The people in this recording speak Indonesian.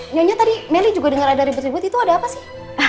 nyonya tadi melly juga dengar ada ribut ribut itu ada apa sih